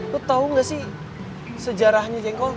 lo tau nggak sih sejarahnya jengkol